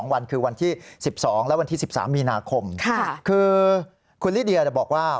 วันคือวันที่๑๒และวันที่๑๓มีนาคมคือคุณลิเดียบอกว่า